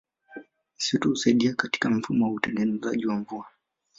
Misitu Husaidia katika mfumo wa utengenezaji wa mvua